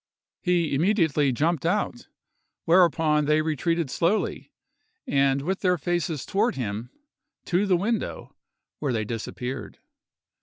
He immediately jumped out; whereupon they retreated slowly, and with their faces toward him, to the window, where they disappeared.